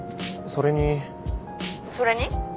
それに？